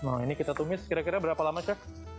nah ini kita tumis kira kira berapa lama chef